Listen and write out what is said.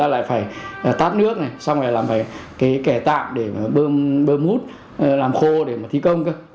người ta lại phải tát nước này xong rồi làm cái kẻ tạm để bơm hút làm khô để mà thi công cơ